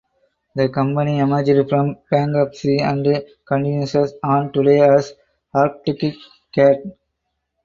The company emerged from bankruptcy and continues on today as Arctic Cat.